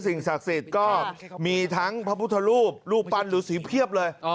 สิ่งศักดิ์สิทธิ์ก็มีทั้งพระพุทธรูปรูปปั้นหรือสีเพียบเลย